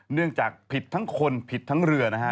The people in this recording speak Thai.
เนื่องจากผิดทั้งคนผิดทั้งเรือนะฮะ